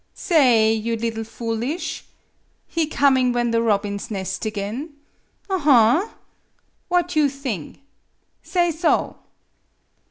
Sa ay, you liddle foolish ! He coming when the robins nest again. Aha! What you thing? Say so!